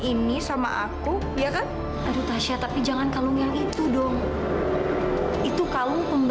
ini itu saya agak adalah